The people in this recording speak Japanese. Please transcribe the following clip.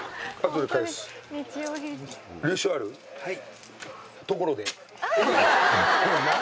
はい。